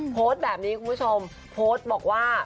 โพสต์แบบนี้คุณผู้ชมโพสต์บอกว่า